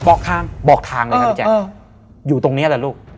บอกทางเลยครับพี่แจ๊คอยู่ตรงนี้แหละลูก